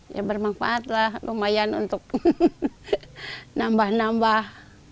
ya bermanfaatlah lumayan untuk nambah nambah